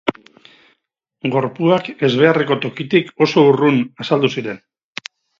Gorpuak ezbeharreko tokitik oso urrun azaldu ziren.